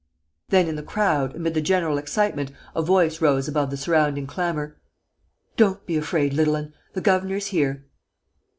Then, in the crowd, amid the general excitement, a voice rose above the surrounding clamour: "Don't be afraid, little 'un!... The governor's here!"